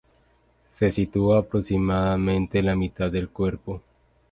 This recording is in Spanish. Se sitúa a aproximadamente la mitad del cuerpo.